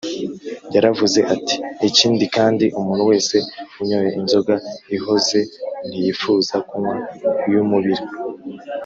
yaravuze ati, “ikindi kandi umuntu wese unyoye inzoga ihoze ntiyifuza kunywa iy’umubira